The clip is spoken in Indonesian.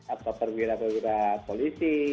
ada perwira perwira polisi